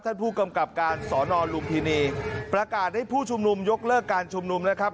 ท่านผู้กำกับการสอนอนลุมพินีประกาศให้ผู้ชุมนุมยกเลิกการชุมนุมนะครับ